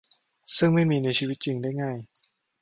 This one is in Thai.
ซึ่งไม่มีในชีวิตจริงได้ง่าย